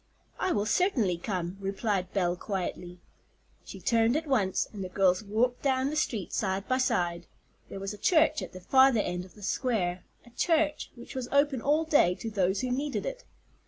"I will certainly come," replied Belle quietly. She turned at once, and the girls walked down the street side by side. There was a church at the farther end of the square, a church which was open all day to those who needed it.